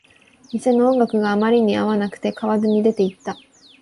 店の音楽があまりに合わなくて、買わずに出ていった